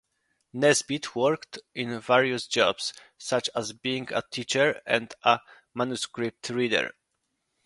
Nesbit worked in various jobs, such as being a teacher and a manuscript reader.